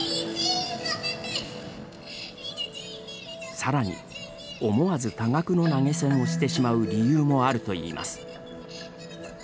さらに、思わず多額の投げ銭をしてしまう理由もあるといいます。